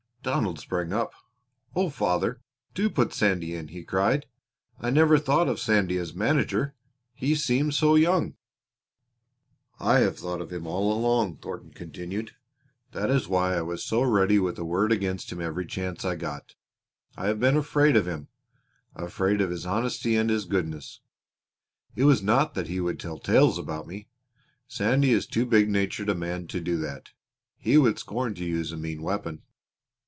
Donald sprang up. "Oh, father, do put Sandy in," he cried. "I never thought of Sandy as manager he seems so young!" "I have thought of him all along," Thornton continued. "That is why I was so ready with a word against him every chance I got. I have been afraid of him afraid of his honesty and his goodness. It was not that he would tell tales about me; Sandy is too big natured a man to do that. He would scorn to use a mean weapon.